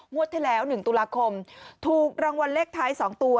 ที่แล้ว๑ตุลาคมถูกรางวัลเลขท้าย๒ตัว